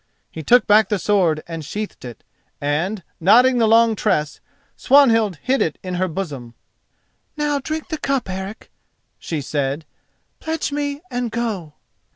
He took back the sword and sheathed it, and, knotting the long tress, Swanhild hid it in her bosom. "Now drink the cup, Eric," she said—"pledge me and go."